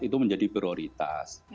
itu menjadi prioritas